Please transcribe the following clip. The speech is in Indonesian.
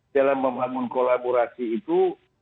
dalam membangun kolaborasi itu